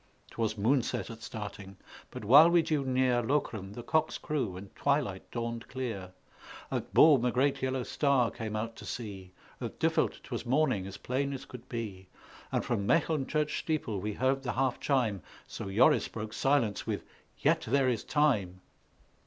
'Twas moonset at starting; but while we drew near Lokeren, the cocks crew and twilight dawned clear; At Boom a great yellow star came out to see; At Duffeld 'twas morning as plain as could be; And from Mecheln church steeple we heard the half chime So Joris broke silence with "Yet there is time!"